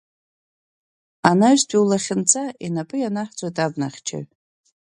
Анаҩстәи улахьынҵа инапы ианаҳҵоит абнахьчаҩ.